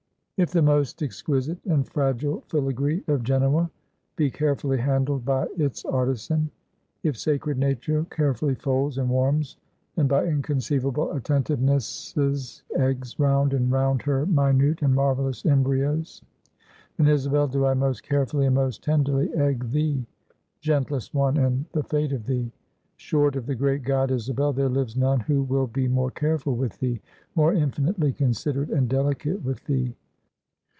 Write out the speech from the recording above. "If the most exquisite, and fragile filagree of Genoa be carefully handled by its artisan; if sacred nature carefully folds, and warms, and by inconceivable attentivenesses eggs round and round her minute and marvelous embryoes; then, Isabel, do I most carefully and most tenderly egg thee, gentlest one, and the fate of thee! Short of the great God, Isabel, there lives none who will be more careful with thee, more infinitely considerate and delicate with thee."